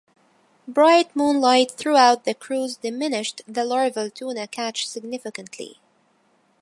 Bright moonlight throughout the cruise diminished the larval tuna catch significantly.